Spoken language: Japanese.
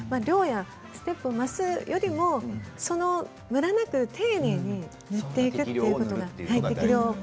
量やステップを増すよりはムラなく丁寧に塗っていくことが大事です。